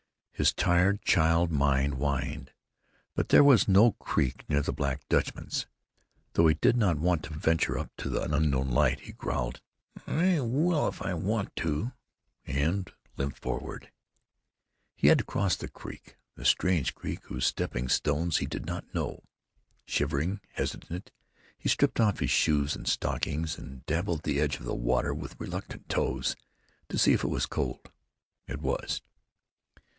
His tired child mind whined. But there was no creek near the Black Dutchman's. Though he did not want to venture up to the unknown light, he growled, "I will if I want to!" and limped forward. He had to cross the creek, the strange creek whose stepping stones he did not know. Shivering, hesitant, he stripped off his shoes and stockings and dabbled the edge of the water with reluctant toes, to see if it was cold. It was.